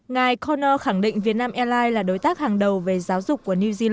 ngài connor khẳng định việt nam airlines là đối tác hàng đầu về giáo dục